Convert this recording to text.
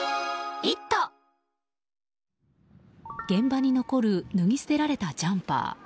現場に残る脱ぎ捨てられたジャンパー。